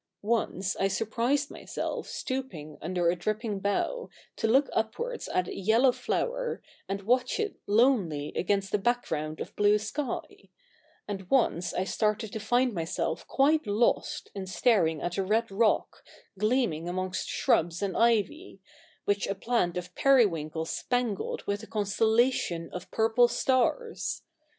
Once I surprised myself stooping under a dripping bough, to look upwards at a CH. ii] THE NEW REPUBLIC 211 yellow flower, and watch it lonely against a background of blue sky ; and once I started to find myself quite lost in staring at a red rock, gleaming amongst shrubs and ivy, which a plant of periwinkle spangled with a constel lation of purple stars.